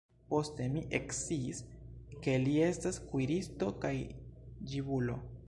Poste mi eksciis, ke li estas kuiristo kaj ĝibulo.